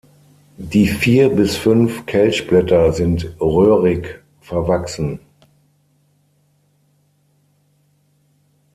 Die vier bis fünf Kelchblätter sind röhrig verwachsen.